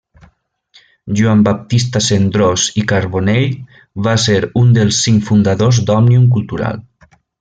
Joan Baptista Cendrós i Carbonell va ser un dels cinc fundadors d'Òmnium Cultural.